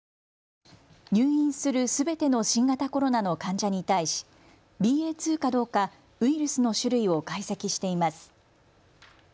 入院するすべての新型コロナの患者に対しＢＡ．２かどうかウイルスの種類を解析しています。